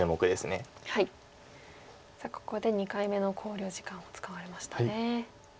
さあここで２回目の考慮時間を使われましたね。